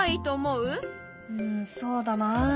うんそうだなあ。